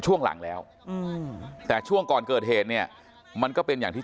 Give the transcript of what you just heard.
ช่วงหลังแล้วแต่ช่วงก่อนเกิดเหตุเนี่ยมันก็เป็นอย่างที่